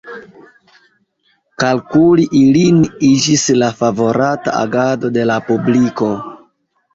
Kalkuli ilin iĝis la favorata agado de la publiko.